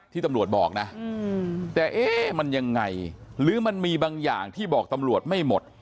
ที่ตำรวจบอกนะแต่เอ๊ะมันยังไงหรือมันมีบางอย่างที่บอกตำรวจไม่หมด